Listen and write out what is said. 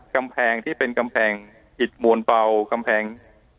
กำแพงที่เป็นกำแพงอิดมวลเบากำแพง